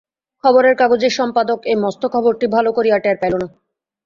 খবরের কাগজের সম্পাদক এই মস্ত খবরটি ভালো করিয়া টের পাইল না।